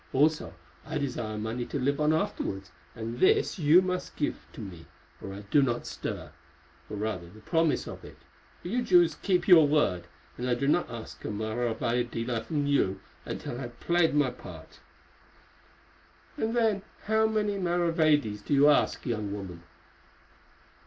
Also, I desire money to live on afterwards, and this you must give to me or I do not stir, or rather the promise of it, for you Jews keep your word, and I do not ask a maravedi from you until I have played my part." "And then how many maravedis do you ask, young woman?"